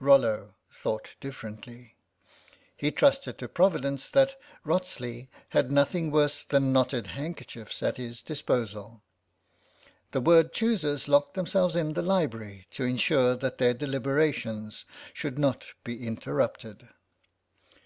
Rollo thought differently. He trusted to Providence that Wrotsley had nothing worse than knotted handkerchiefs at his disposal. The word choosers locked themselves in the library to ensure that their deliberations should not be interrupted.